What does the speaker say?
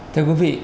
thưa quý vị